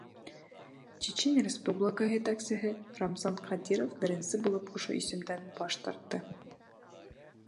Чечен Республикаһы етәксеһе Рамзан Ҡадиров беренсе булып ошо исемдән баш тартты.